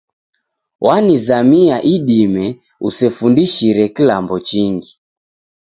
Wanizamia idime usefundishire kilambo chingi